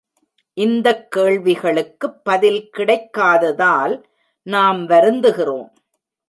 இந்தக் கேள்விகளுக்குப் பதில் கிடைக்காததால் நாம் வருந்துகிறோம்.